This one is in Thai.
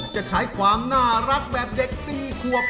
จะใช้ความน่ารักแบบเด็ก๔ขวบ